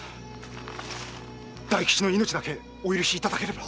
大吉の命だけお許しいただければ。